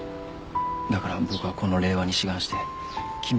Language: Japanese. だから僕はこの令和に志願して君を推薦して。